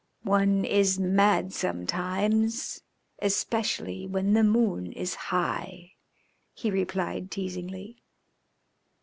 "One is mad sometimes, especially when the moon is high," he replied teasingly.